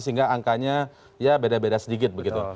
sehingga angkanya ya beda beda sedikit begitu